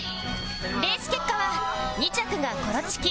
レース結果は２着がコロチキ